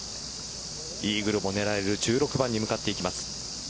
イーグルも狙える１６番に向かっていきます。